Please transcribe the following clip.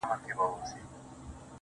له مايې ما اخله.